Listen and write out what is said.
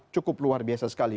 cukup luar biasa sekali